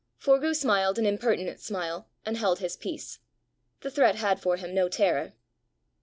Forgue smiled an impertinent smile and held his peace: the threat had for him no terror.